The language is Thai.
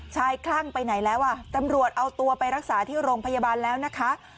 คลั่งไปไหนแล้วอ่ะตำรวจเอาตัวไปรักษาที่โรงพยาบาลแล้วนะคะ